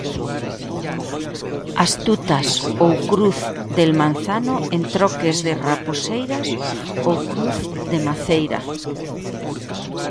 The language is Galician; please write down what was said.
"Astutas" ou "Cruz del Manzano" en troques de "Raposeiras" ou "Cruz de Maceira".